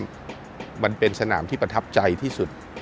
มันเป็นสนามที่ประทับใจที่สุด